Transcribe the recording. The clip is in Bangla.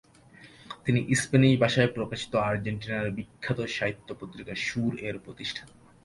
তিনি স্প্যানিশ ভাষায় প্রকাশিত আর্জেন্টিনার বিখ্যাত সাহিত্য পত্রিকা সুর এর প্রতিষ্ঠাতা।